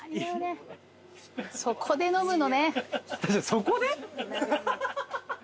そこで？